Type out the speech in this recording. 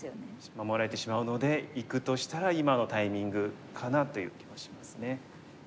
守られてしまうのでいくとしたら今のタイミングかなという気がしますね。